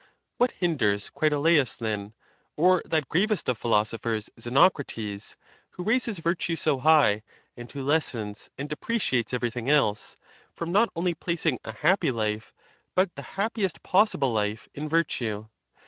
What hinders Critolaus, then, or that gravest of philosophers, Xenocrates (who raises virtue so high, and who lessens and depreciates everything else), from: not only placing a happy life, but the happiest possible life, in virtue?